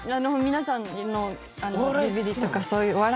皆さんのＤＶＤとかそういう。